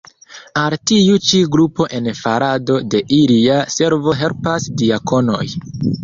Al tiu ĉi grupo en farado de ilia servo helpas diakonoj.